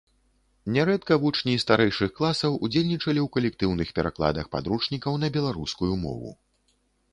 Нярэдка вучні старэйшых класаў удзельнічалі ў калектыўных перакладах падручнікаў на беларускую мову.